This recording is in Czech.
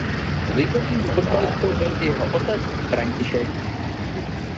Ligovým fotbalistou byl i jeho otec František.